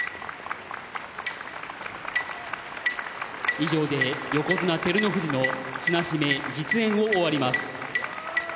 以上で横綱照ノ富士の綱締め実演を終わります。